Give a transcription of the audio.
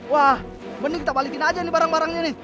wah mending kita balikin aja nih barang barangnya nih